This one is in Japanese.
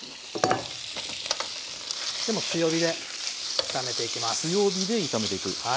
もう強火で炒めていきます。